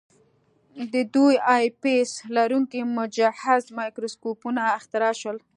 د دوه آی پیس لرونکي مجهز مایکروسکوپونه اختراع شول.